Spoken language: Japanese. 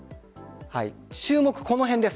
注目この辺です。